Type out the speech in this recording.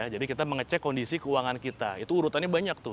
jadi kita mengecek kondisi keuangan kita itu urutannya banyak tuh